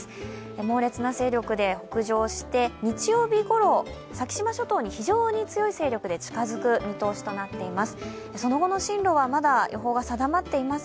猛烈な勢力で北上して日曜日ごろ先島諸島に非常に強い勢力で近づく予想となっています。